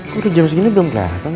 kok udah jam segini belum dateng